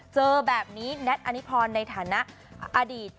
เจอแบบนี้แน็ตอนิพรในฐานะอดีต